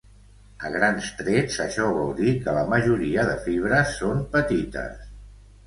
A grans trets això vol dir que la majoria de fibres són petites.